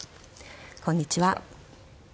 こんにちは。